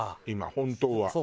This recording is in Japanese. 今本当は。